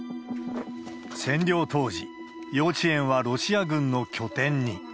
占領当時、幼稚園はロシア軍の拠点に。